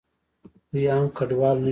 دوئ عام کډوال نه دي.